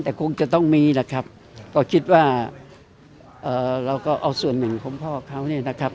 แต่คงจะต้องมีแหละครับก็คิดว่าเราก็เอาส่วนหนึ่งของพ่อเขาเนี่ยนะครับ